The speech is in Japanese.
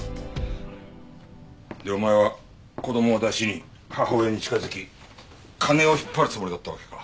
でお前は子供をだしに母親に近づき金を引っ張るつもりだったわけか。